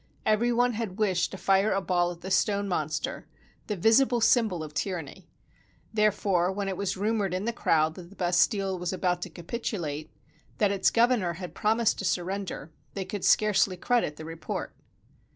Every one had wished to fire a ball at the stone monster, the visible symbol of tyranny. Therefore, when it was rumored in the crowd that the Bastille was about to capitulate, that its governor had promised to surrender, they could scarcely credit the report.